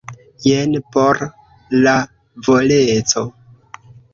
Jen por la voleco.